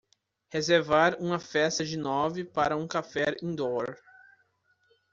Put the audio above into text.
reservar uma festa de nove para um café indoor